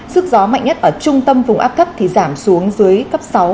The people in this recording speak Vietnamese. sức gió mạnh nhất ở trung tâm vùng áp thấp giảm xuống dưới cấp sáu